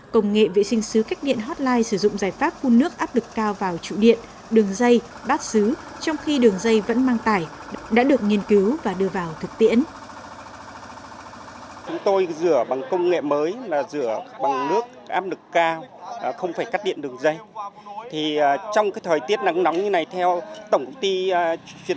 công nghệ vệ sinh xứ cách điện hotline sử dụng giải pháp phun nước áp lực cao vào chủ điện đường dây bát xứ trong khi đường dây vẫn mang tải đã được nghiên cứu và đưa vào thực tiễn